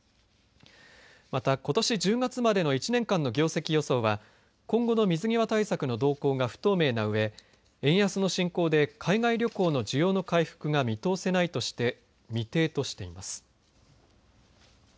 また、ことし１０月までの１年間の業績予想は今後の水際対策の動向が不透明なうえ円安の進行で海外旅行事業の需要の回復が見通せないとして未定としています。